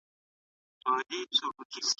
هغه څېړنه د سياست په اړه ډېر حقايق روښانه کوي.